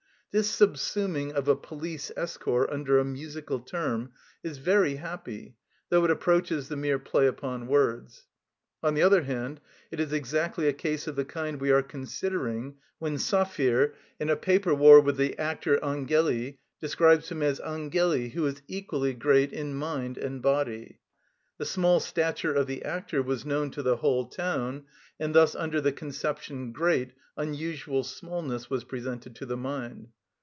This subsuming of a police escort under a musical term is very happy, though it approaches the mere play upon words. On the other hand, it is exactly a case of the kind we are considering when Saphir, in a paper war with the actor Angeli, describes him as "Angeli, who is equally great in mind and body." The small statue of the actor was known to the whole town, and thus under the conception "great" unusual smallness was presented to the mind.